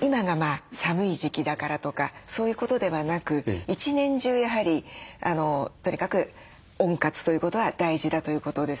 今が寒い時期だからとかそういうことではなく一年中やはりとにかく温活ということは大事だということですね。